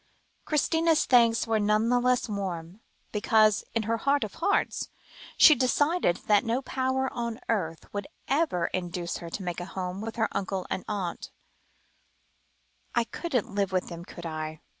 Christina's thanks were none the less warm, because, in her heart of hearts, she decided that no power on earth would ever induce her to make a home with her uncle and aunt. "But I couldn't live with them, could I?"